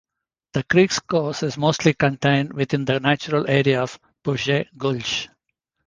The creek's course is mostly contained within the natural area of Puget Gulch.